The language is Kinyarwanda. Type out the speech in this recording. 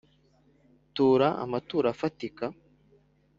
tura amaturo afatika